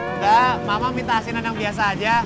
enggak mama minta asinan yang biasa aja